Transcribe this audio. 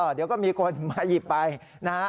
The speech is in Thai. เดี๋ยวก็มีคนมาหยิบไปนะฮะ